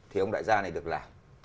thì ông đại gia này được làm